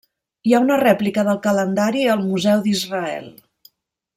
Hi ha una rèplica del calendari al Museu d'Israel.